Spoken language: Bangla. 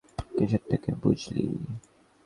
কিসের থেকে বুঝলি?